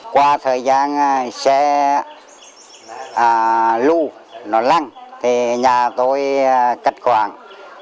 qua thời gian xe lưu nó lăng thì nhà tôi cất khoảng